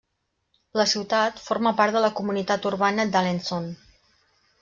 La ciutat forma part de la Comunitat urbana d'Alençon.